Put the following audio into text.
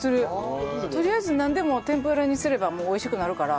とりあえずなんでも天ぷらにすれば美味しくなるから。